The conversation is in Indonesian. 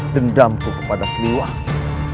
dendamku kepada siliwangi